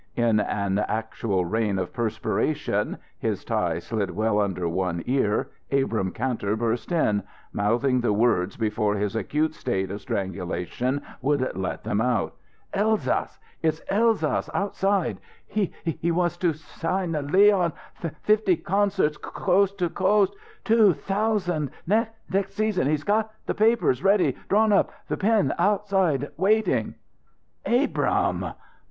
In an actual rain of perspiration, his tie slid well under one ear, Abrahm Kantor burst in, mouthing the words before his acute state of strangulation would let them out. "Elsass it's Elsass outside he wants to sign Leon fifty concerts coast to coast two thousand next season he's got the papers already drawn up the pen outside waiting " "Abrahm!"